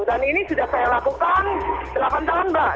dan ini sudah saya lakukan delapan tahun mbak